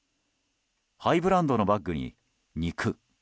ハイブランドのバッグに肉。